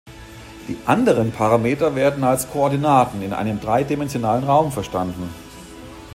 Die anderen Parameter werden als Koordinaten in einem dreidimensionalen Raum verstanden.